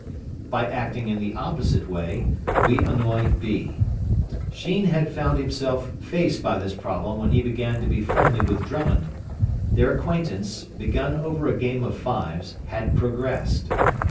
By acting in the opposite way, we annoy B. Sheen had found himself faced by this problem when he began to be friendly with Drummond. Their acquaintance, begun over a game of fives, had progressed.